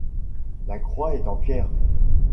La croix est en pierre.